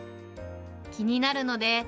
気になるので。